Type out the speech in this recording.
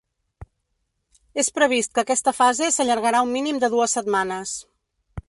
És previst que aquesta fase s’allargarà un mínim de dues setmanes.